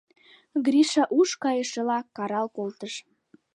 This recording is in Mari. Гриша уш кайышыла карал колтыш.